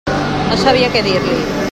No sabia què dir-li.